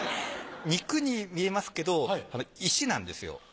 肉に見えますけど石なんですよ。